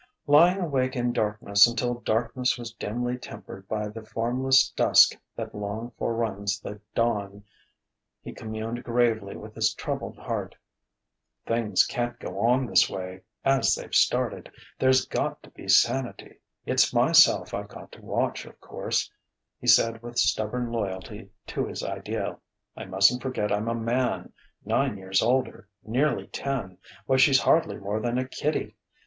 Lying awake in darkness until darkness was dimly tempered by the formless dusk that long foreruns the dawn, he communed gravely with his troubled heart. "Things can't go on this way as they've started. There's got to be sanity.... It's myself I've got to watch, of course," he said with stubborn loyalty to his ideal. "I mustn't forget I'm a man nine years older nearly ten.... Why, she's hardly more than a kiddie....